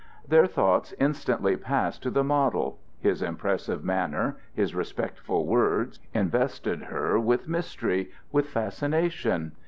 Their thoughts instantly passed to the model: his impressive manner, his respectful words, invested her with mystery, with fascination.